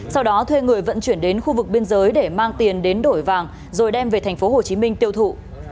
sau đó thuê người vận chuyển đến khu vực biên giới để mang tiền đến đổi vàng rồi đem về tp hcm tiêu thụ